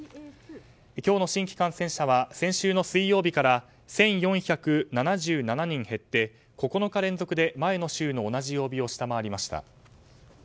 今日の新規感染者は先週の水曜日から１４７７人減って９日連続で前の週の同じ曜日を下回りました。